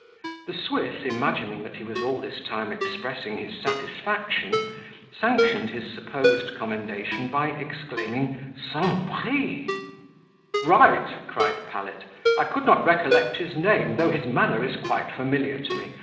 The Swiss, imagining that he was all this time expressing his satisfaction, sanctioned his supposed commendation by exclaiming sans prix. "Right," cried Pallet: "I could not recollect his name, though his manner is quite familiar to me.